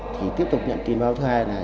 thì tiếp tục nhận tin báo thứ hai là